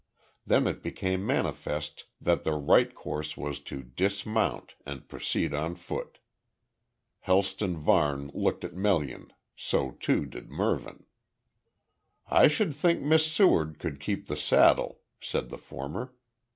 Then it became manifest that the right course was to dismount, and proceed on foot. Helston Varne looked at Melian, so too, did Mervyn. "I should think Miss Seward could keep the saddle," said the former.